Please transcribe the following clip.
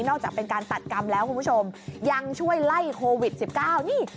จากเป็นการตัดกรรมแล้วคุณผู้ชมยังช่วยไล่โควิด๑๙นี่